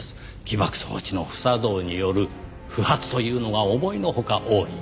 起爆装置の不作動による不発というのが思いのほか多い。